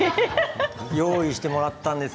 用意してもらったんです